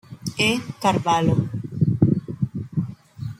E. Carvalho.